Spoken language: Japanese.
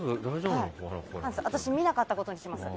私、見なかったことにします。